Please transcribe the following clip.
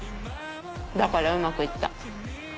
だからうまく行った。